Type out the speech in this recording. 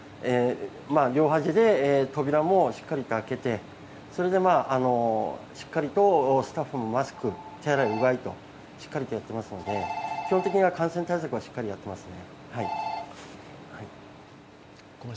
両端で扉もしっかりと開けて、それでしっかりとスタッフにもマスク、手洗いうがいとしっかりやっていますので基本的な感染対策はしっかりやっていますね。